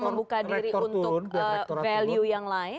membuka diri untuk value yang lain